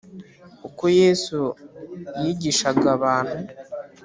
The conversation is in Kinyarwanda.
uko yesu yigishaga abantu